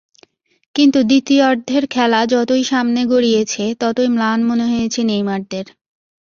কিন্তু দ্বিতীয়ার্ধের খেলা যতই সামনে গড়িয়েছে, ততই ম্লান মনে হয়েছে নেইমারদের।